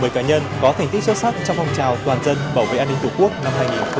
một mươi cá nhân có thành tích xuất sắc trong phòng trào toàn dân bảo vệ an ninh tổ quốc năm hai nghìn một mươi năm